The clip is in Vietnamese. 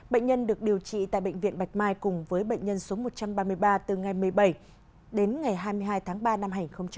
bệnh nhân được điều trị tại bệnh viện bạch mai cùng với bệnh nhân số một trăm ba mươi ba từ ngày một mươi bảy đến ngày hai mươi hai tháng ba năm hai nghìn hai mươi